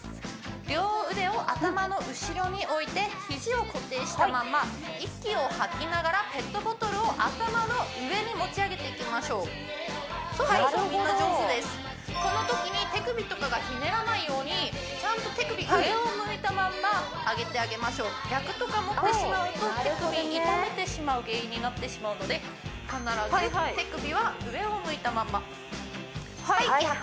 両腕を頭の後ろに置いて肘を固定したまま息を吐きながらペットボトルを頭の上に持ち上げていきましょうそうそうそうみんな上手ですこのときに手首とかがひねらないようにちゃんと手首が上を向いたまんま上げてあげましょう逆とか持ってしまうと手首痛めてしまう原因になってしまうので必ず手首は上を向いたままはい息吐く